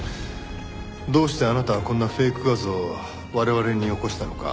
どうしてあなたはこんなフェイク画像を我々によこしたのか？